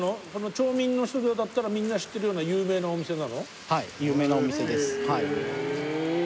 町民の人だったらみんな知ってるような有名なお店なの？